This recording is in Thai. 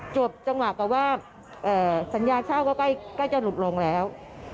จังหวะกับว่าสัญญาเช่าก็ใกล้จะหลุดลงแล้ว